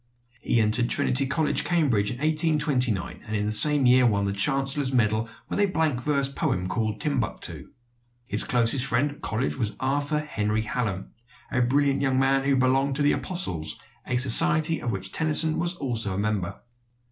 He entered Trinity College, Cambridge, in 1829, and in the same year won the chancellor's medal with a blank verse poem called "Timbuctoo." His closest friend at college was Arthur Henry Hallam, a brilliant young man who belonged to The Apostles, a society of which Tennyson was also a member.